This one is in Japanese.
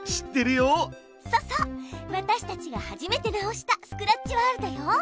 そうそう私たちが初めて直したスクラッチワールドよ！